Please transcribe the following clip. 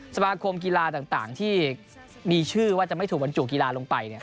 สมาคมกีฬาต่างที่มีชื่อว่าจะไม่ถูกบรรจุกีฬาลงไป